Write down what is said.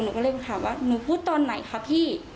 หนูก็เลยถามว่าหนูพูดตอนไหนคะพี่